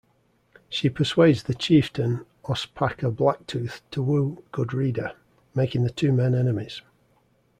She persuades the chieftain Ospakar Blacktooth to woo Gudrida, making the two men enemies.